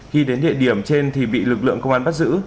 khi đến địa điểm trên thì bị lực lượng công an bắt giữ